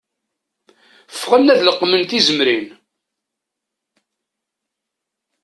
Ffɣen ad leqmen tizemrin.